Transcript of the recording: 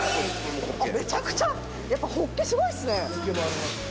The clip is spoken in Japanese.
めちゃくちゃやっぱホッケすごいですね！